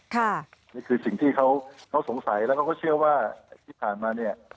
นี่คือสิ่งที่เขาสงสัยแล้วก็เขาเชื่อว่าที่ผ่านมาเนี่ย